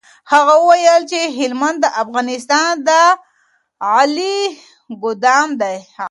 هغه وویل چي هلمند د افغانستان د غلې ګودام دی.